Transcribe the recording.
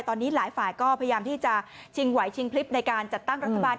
ตอนนี้หลายฝ่ายก็พยายามที่จะชิงไหวชิงคลิปในการจัดตั้งรัฐบาล